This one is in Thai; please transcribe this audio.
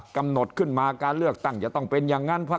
กำหนดขึ้นมาการเลือกตั้งจะต้องเป็นอย่างนั้นพัก